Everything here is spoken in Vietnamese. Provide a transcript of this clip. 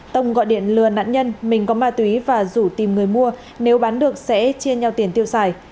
tông gọi điện lừa nạn nhân mình có ma túy và rủ tìm người mua nếu bán được sẽ chia nhau tiền tiêu xài